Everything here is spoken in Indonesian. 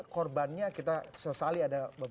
korbannya kita sesali ada beberapa